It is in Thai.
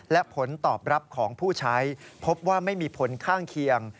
และผลตอบรับของผู้ใช้พบว่าไม่มีผลข้างเคียง